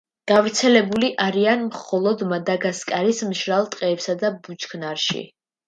გავრცელებული არიან მხოლოდ მადაგასკარის მშრალ ტყეებსა და ბუჩქნარში.